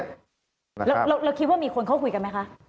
แล้วคิดว่ามีคนเขาคุยกันไหมคะ